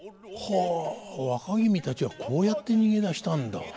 はあ若君たちはこうやって逃げ出したんだ。